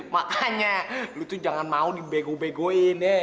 makanya lu tuh jangan mau dibego begoin ya